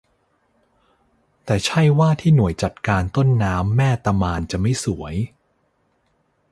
แต่ใช่ว่าที่หน่วยจัดการต้นน้ำแม่ตะมานจะไม่สวย